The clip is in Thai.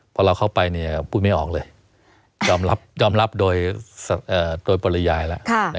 พอเราเข้าไปพูดไม่ออกเลยยอมรับยอมรับโดยปริยายแล้ว